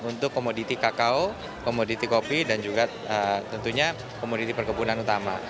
untuk komoditi kakao komoditi kopi dan juga tentunya komoditi perkebunan utama